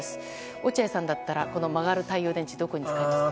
落合さんだったらこの曲がる太陽電池どこに使いますか？